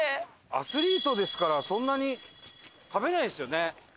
アスリートですからそんなに食べないですよね？